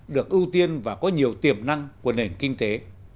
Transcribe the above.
được ưu tiên và có nhiều tiềm năng của nền kinh tế